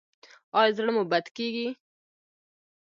ایا زړه مو بد کیږي؟